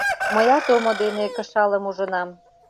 Мыят омо дене кышалым ужынам...